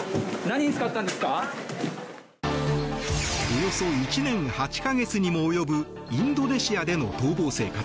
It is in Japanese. およそ１年８か月にも及ぶインドネシアでの逃亡生活。